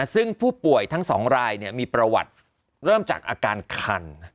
ซึ่งผู้ป่วยทั้ง๒รายมีประวัติเริ่มจากอาการคัน